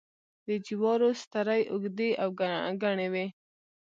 د جوارو سترۍ اوږدې او گڼې وي.